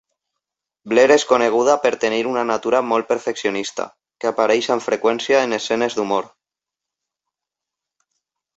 Blair és coneguda per tenir una natura molt perfeccionista, que apareix amb freqüència en escenes d'humor.